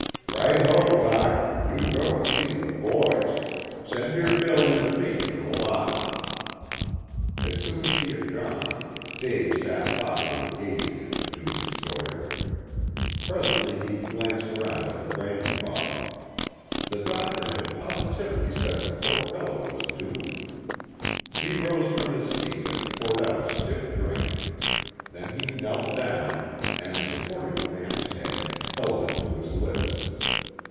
"Right ho, Doc, you go and see to the boys. Send your bill in to me for the lot." As soon as he had gone, Dave sat thoughtfully gazing at the doomed sawyer. Presently he glanced round at the brandy bottle. The doctor had positively said the poor fellow was doomed. He rose from his seat and poured out a stiff drink. Then he knelt down, and supporting the man's head, held it to his lips.